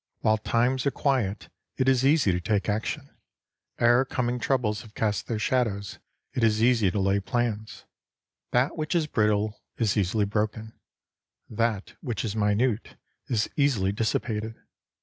While times are quiet, it is easy to take action ; ere coming troubles have cast their shadows, it is easy to lay plans. That which is brittle is easily broken ; that which is minute is easily dissipated.